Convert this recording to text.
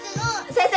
先生